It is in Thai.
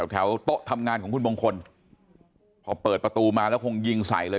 แถวโต๊ะทำงานของคุณมงคลพอเปิดประตูมาแล้วคงยิงใส่เลย